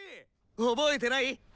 覚えてない？